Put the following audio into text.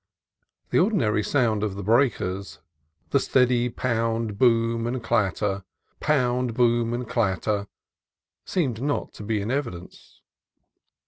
The ordinary sounds of the breakers, the steady pound, boom, and clatter, pound, boom, and clatter, seemed not to be in evidence.